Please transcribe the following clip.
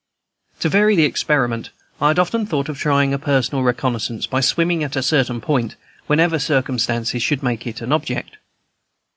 To vary the experiment, I had often thought of trying a personal reconnoissance by swimming, at a certain point, whenever circumstances should make it an object.